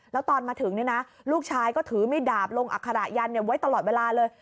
แล้วตอนมาถึงลูกชายก็ถือมีดดาบลงอัคระยันไว้ตลอดเวลาเลย